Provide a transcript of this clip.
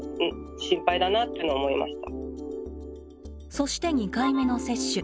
そして２回目の接種。